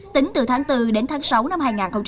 tính từ tháng bốn đến tháng sáu năm hai nghìn hai mươi